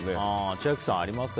千秋さん、ありますか？